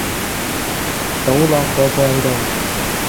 倒落個蓋度